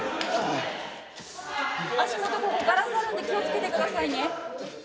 足元、ガラスあるんで気をつけてくださいね。